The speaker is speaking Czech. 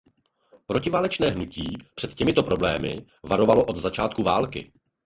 Protiválečné hnutí před těmito problémy varovalo od začátku války.